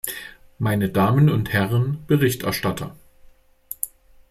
Meine Damen und Herren Berichterstatter!